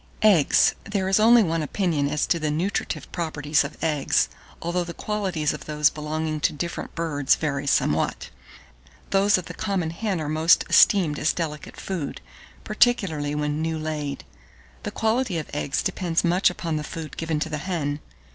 EGGS. 1623. There is only one opinion as to the nutritive properties of eggs, although the qualities of those belonging to different birds vary somewhat. Those of the common hen are most esteemed as delicate food, particularly when "new laid." The quality of eggs depends much upon the food given to the hen.